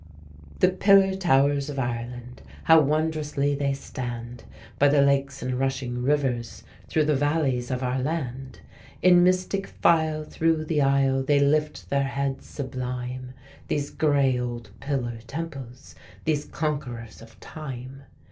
The pillar towers of Ireland, how wondrously they stand By the lakes and rushing rivers through the valleys of our land; In mystic file, through the isle, they lift their heads sublime, These gray old pillar temples these conquerors of time.